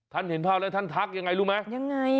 ท่านเห็นภาพแล้วท่านทักยังไงรู้ไหม